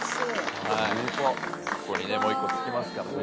ここにねもう１個付きますからね。